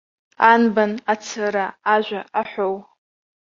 Анбан, ацыра, ажәа, аҳәоу.